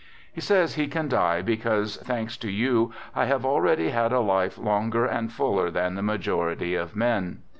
He says he can die because " thanks to you, I have already had a life longer and fuller than the majority of men."